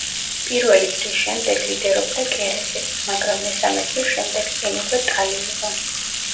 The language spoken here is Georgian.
პირველი წრის შემდეგ ლიდერობდა კერესი, მაგრამ მესამე წრის შემდეგ წინ უკვე ტალი იყო.